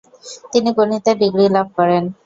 তিনি গণিতে ডিগ্রি লাভ করেন।